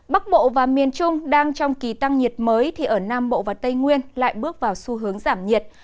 bắc bộ và miền trung đang trong kỳ tăng nhiệt mới thì ở nam bộ và tây nguyên lại bước vào xu hướng giảm nhiệt